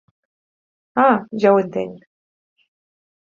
Ah, ja ho entenc!